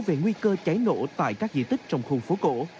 về nguy cơ cháy nổ tại các di tích trong khu phố cổ